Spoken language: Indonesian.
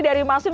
dari mas fim